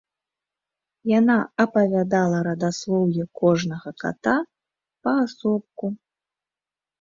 Яна апавядала радаслоўе кожнага ката паасобку.